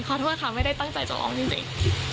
ขอโทษค่ะไม่ได้ตั้งใจจะร้องจริง